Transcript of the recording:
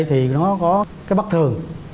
thì nó có cái bất thường